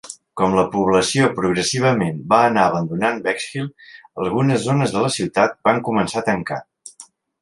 Com la població progressivament va anar abandonant Bexhill, algunes zones de la ciutat van començar a tancar.